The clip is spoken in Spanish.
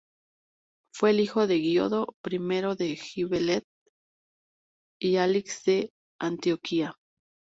Fue el hijo de Guido I de Gibelet y Alix de Antioquía.